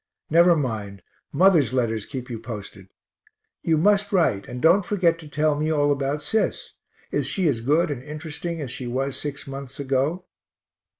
Never mind, mother's letters keep you posted. You must write, and don't forget to tell me all about Sis. Is she as good and interesting as she was six months ago?